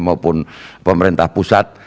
maupun pemerintah pusat